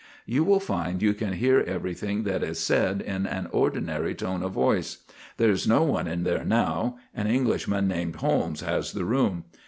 "You will find you can hear everything that is said in an ordinary tone of voice. There's no one in there now. An Englishman named Holmes has the room.